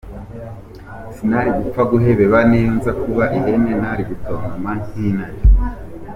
Sinari gupfa guhebeba n’ iyo nza kuba ihene nari gutontoma nk’ intare.